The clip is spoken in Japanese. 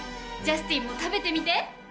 ジャスティンも食べてみて！